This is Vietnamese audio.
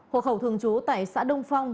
hộ khẩu thường trú tại xã đông phong